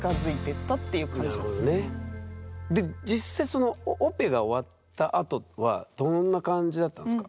で実際そのオペが終わったあとはどんな感じだったんすか？